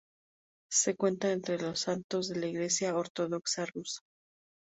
Se cuenta entre los santos de la iglesia ortodoxa rusa.